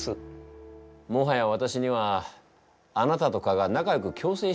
もはや私にはあなたと蚊が仲よく共生しているように見えるが。